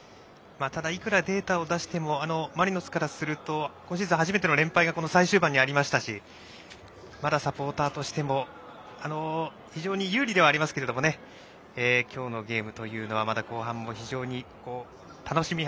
いくらデータを出してもマリノスからすると今シーズン、初めての連敗がこの最終盤にありましたしまだサポーターとしても非常に有利ではありますけど今日のゲームというのはまだ後半も非常に楽しみ